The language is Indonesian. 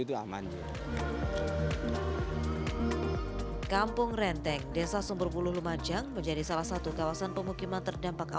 itu aman kampung renteng desa sumberbulu lumajang menjadi salah satu kawasan pemukiman terdampak